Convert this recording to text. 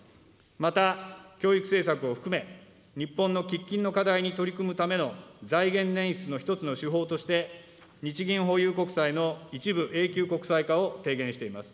また教育政策を含め、日本の喫緊の課題に取り組むための、財源捻出の一つの手法として、日銀保有国債の一部永久国債化を提言しています。